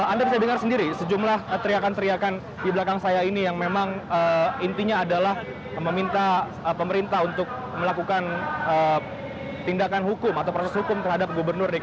anda bisa dengar sendiri sejumlah teriakan teriakan di belakang saya ini yang memang intinya adalah meminta pemerintah untuk melakukan tindakan hukum atau proses hukum terhadap gubernur